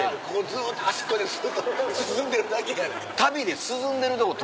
ずっと端っこでずっと涼んでるだけやねん。